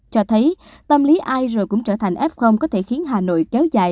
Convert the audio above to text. cho thấy tâm lý ai rồi cũng trở thành f có thể khiến hà nội kéo dài